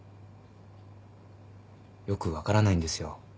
よく分からないんですよ。